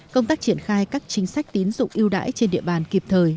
công tác triển khai các chính sách tín dụng yêu đãi trên địa bàn kịp thời